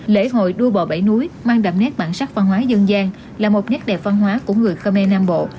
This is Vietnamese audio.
lễ hội đua bò bảy núi mang đầm nét bản sắc văn hóa dân gian là một nhát đẹp văn hóa của người khmer nam bộ